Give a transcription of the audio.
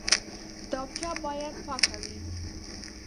کتابچه باید پاکه وي